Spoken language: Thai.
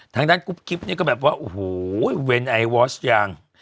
ทางด้านกุ๊บคลิปนี้ก็แบบว่าโอ้โหเวนไอวอสยัง